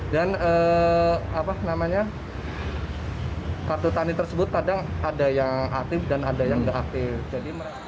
dan kartu tani tersebut kadang ada yang aktif dan ada yang tidak aktif